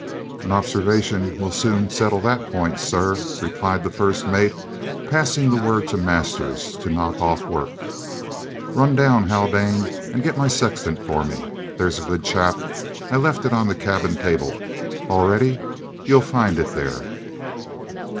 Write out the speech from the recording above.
"An observation will soon settle the point, sir," replied the first mate, passing the word to Masters to knock off work. "Run down, Haldane, and get my sextant for me, there's a good chap! I left it on the cabin table, all ready. You'll find it there!"